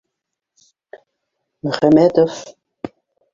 — Мөхәмәтов!